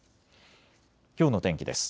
きょうの天気です。